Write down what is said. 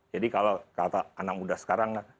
jadi kalau kata anak muda sekarang